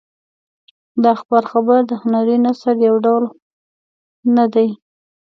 د اخبار خبر د هنري نثر یو ډول نه دی.